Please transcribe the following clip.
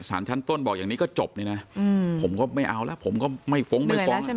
สารชั้นต้นบอกอย่างนี้ก็จบนี่นะผมก็ไม่เอาแล้วผมก็ไม่ฟ้องไม่ฟ้องอะไร